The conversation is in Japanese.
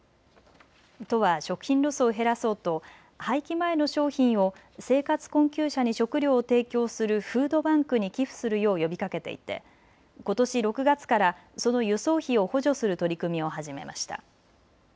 都は食品ロスを減らそうと廃棄前の商品を生活困窮者に食料を提供するフードバンクに寄付するよう呼びかけていてことし６月からその輸送費を補助する取り組みを始めました。